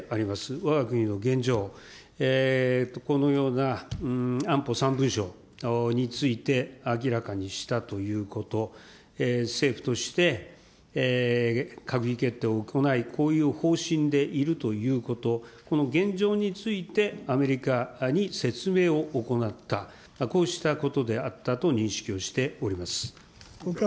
わが国の現状、このような安保３文書について、明らかにしたということ、政府として閣議決定を行い、こういう方針でいるということ、この現状について、アメリカに説明を行った、こうしたことであったと認識をしております。